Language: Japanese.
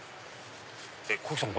こひさん